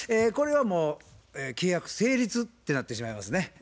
これはもう契約成立ってなってしまいますね。